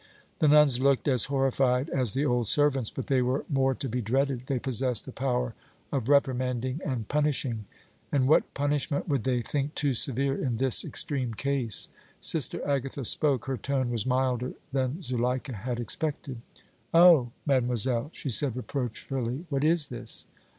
The nuns looked as horrified as the old servants, but they were more to be dreaded; they possessed the power of reprimanding and punishing, and what punishment would they think too severe in this extreme case? Sister Agatha spoke. Her tone was milder than Zuleika had expected. "Oh! mademoiselle," she said, reproachfully, "what is this?